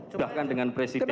sudah kan dengan presidennya